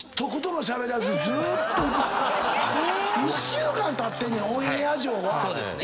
１週間たってんねんオンエア上は。